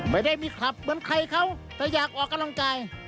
ไม่ได้มีคลับเหมือนใครเขาแต่อยากออกกำลังกาย